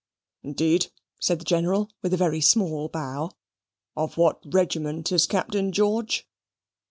"Indeed," said the General, with a very small bow; "of what regiment is Captain George?"